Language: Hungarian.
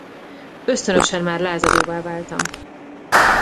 Ösztönösen már lázadóvá váltam.